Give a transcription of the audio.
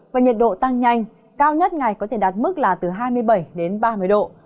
và nhiệt độ tăng nhanh cao nhất ngày có thể đạt mức là từ hai mươi bảy đến ba mươi độ